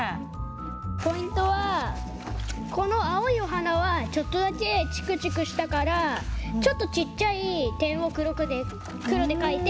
ポイントはこのあおいお花はちょっとだけチクチクしたからちょっとちっちゃい点をくろで描いて。